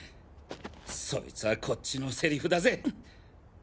そいつはこっちの台詞だぜっ！